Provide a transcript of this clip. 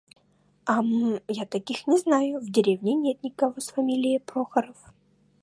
Ам, а я таких не знаю. В деревне нет никого с фамилией Прохоров.